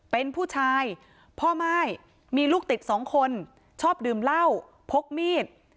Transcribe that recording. เป็นผู้ชายพ่อม่ายมีลูกติดสองคนชอบดื่มเหล้าพกมีด